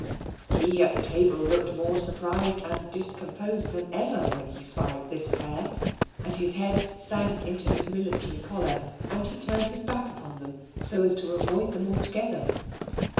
He at the table looked more surprised and discomposed than ever when he spied this pair, and his head sank into his military collar, and he turned his back upon them, so as to avoid them altogether.